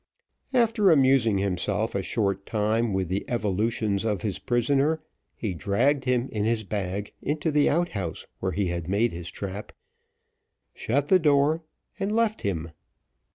After amusing himself a short time with the evolutions of his prisoner, he dragged him in his bag into the outhouse where he had made his trap, shut the door, and left him.